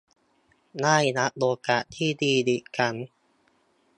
ได้รับโอกาสที่ดีอีกครั้ง